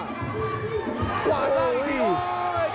นึกหวาล่างอีก